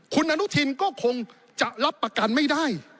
คุณอนุทินก็คงจะรับประกันไม่ได้